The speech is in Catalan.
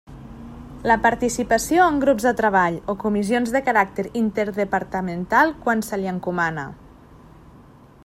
La participació en grups de treball o comissions de caràcter interdepartamental quan se li encomana.